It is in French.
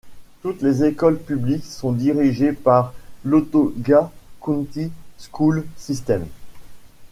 Toutes les écoles publiques sont dirigées par l'Autauga County School System.